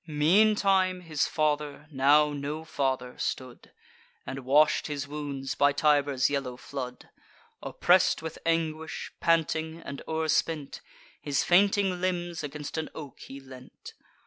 Meantime, his father, now no father, stood, And wash'd his wounds by Tiber's yellow flood: Oppress'd with anguish, panting, and o'erspent, His fainting limbs against an oak he leant.